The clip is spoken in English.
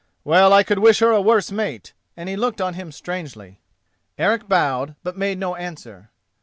Well, I could wish her a worse mate," and he looked on him strangely. Eric bowed, but made no answer.